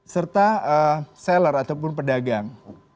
serta seller ataupun pedagang